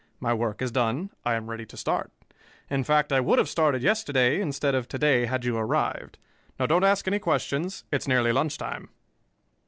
My work is done: I am ready to start. In fact, I would have started yesterday instead of to day, had you arrived. Now don't ask any questions; it's nearly lunch time."